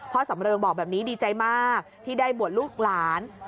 สำเริงบอกแบบนี้ดีใจมากที่ได้บวชลูกหลาน